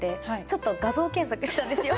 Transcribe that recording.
ちょっと画像検索したんですよ。